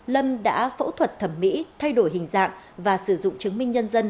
lâm đã phẫu thuật thẩm mỹ thay đổi hình dạng và sử dụng chứng minh nhân dân